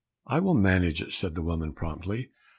"I will manage it," said the woman promptly.